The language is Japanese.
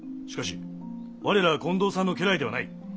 しかし我らは近藤さんの家来ではない。